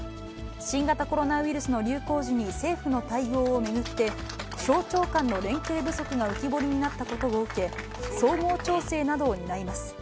新型コロナウイルスの流行時に政府の対応を巡って、省庁間の連携不足が浮き彫りになったことを受け、総合調整などを担います。